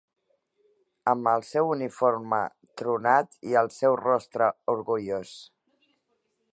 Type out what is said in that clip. Amb el seu uniforme tronat i el seu rostre orgullós